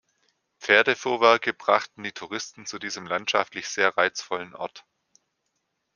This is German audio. Pferdefuhrwerke brachten die Touristen zu diesem landschaftlich sehr reizvollen Ort.